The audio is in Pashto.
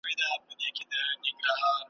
له اوره تش خُم د مُغان دی نن خُمار کرلی ,